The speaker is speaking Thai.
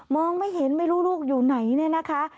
ไม่เห็นไม่รู้ลูกอยู่ไหนเนี่ยนะคะ